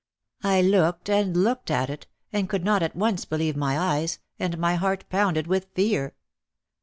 I looked and looked at it, and could not at once believe my eyes and my heart pounded with fear.